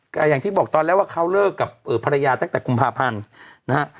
ก็อย่างที่บอกตอนแรกว่าเขาเลิกกับภรรยาตั้งแต่กุมภาพันธ์นะฮะ